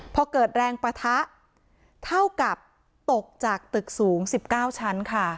พอเกิดแรงปะทะเท่ากับตกจากตึกสูง๑๙ชั้นค่ะ